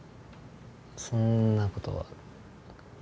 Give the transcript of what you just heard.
そんなことは。